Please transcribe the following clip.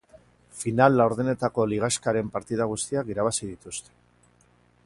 Final-laurdenetako ligaxkaren partida guztiak irabazi dituzte.